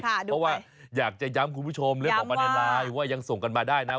เพราะว่าอยากจะย้ำคุณผู้ชมย้ำว่าว่ายังส่งกันมาได้นะ